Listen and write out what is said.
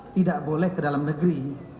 tidak boleh ke dalam negeri